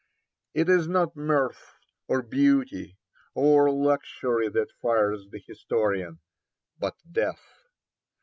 It is not mirth, or beauty, or luxury that fires the historian, but death.